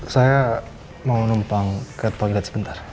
saya mau numpang ke toilet sebentar